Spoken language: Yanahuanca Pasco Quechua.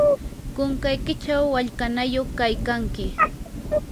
kunkaykichaw wallqanayuq kaykanki.